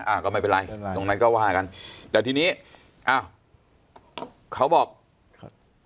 อ่าก็ไม่เป็นไรตรงนั้นก็ว่ากันแต่ทีนี้อ้าวเขาบอกครับ